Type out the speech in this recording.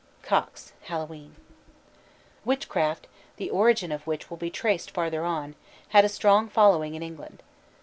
COXE: Hallowe'en. Devils. Witchcraft the origin of which will be traced farther on had a strong following in England.